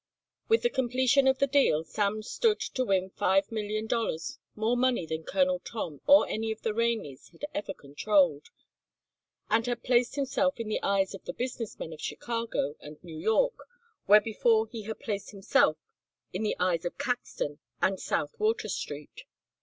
With the completion of the deal Sam stood to win five million dollars, more money than Colonel Tom or any of the Raineys had ever controlled, and had placed himself in the eyes of the business men of Chicago and New York where before he had placed himself in the eyes of Caxton and South Water Street.